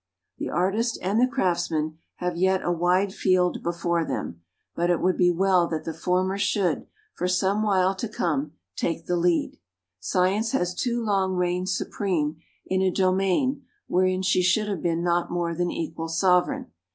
The artist and the craftsman have yet a wide field before them, but it would be well that the former should, for some while to come, take the lead. Science has too long reigned supreme in a domain wherein she should have been not more than equal sovereign.